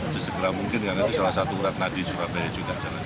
sesegera mungkin karena itu salah satu ratna di surabaya juga jalan